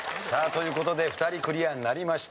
さあという事で２人クリアになりました。